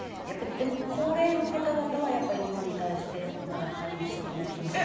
でも高齢の方々はやっぱり日本に対してまだ反日的な気持ち。